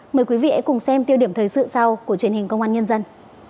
mời quý vị hãy cùng xem tiêu điểm thời sự sau của truyền hình công an nhân dân